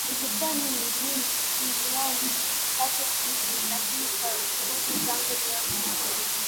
ilikuwa ni milioni tatu tu lakini kwa juhudi zangu leo hii